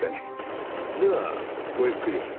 ではごゆっくり。